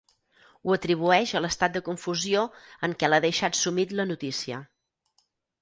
Ho atribueix a l'estat de confusió en què l'ha deixat sumit la notícia.